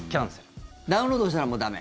ダウンロードしたらもう駄目？